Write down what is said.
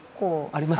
あります？